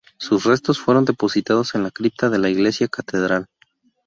Sus restos fueron depositados en la cripta de la iglesia catedral.